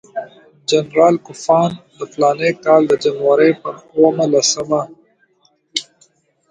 جنرال کوفمان د فلاني کال د جنوري پر اووه لسمه.